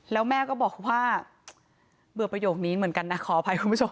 แล้วแม่ก็บอกว่าเบื่อประโยคนี้เหมือนกันนะขออภัยคุณผู้ชม